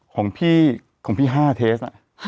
ของพี่๕เทส